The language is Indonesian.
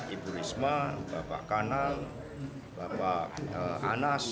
ibu risma bapak kanang bapak anas